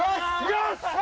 よし！